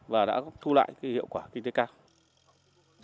và đã thu lại hiệu quả kinh tế cao